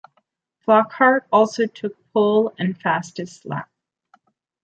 Flockhart also took pole and fastest lap.